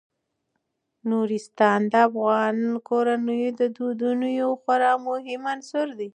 نورستان د افغان کورنیو د دودونو یو خورا مهم عنصر دی.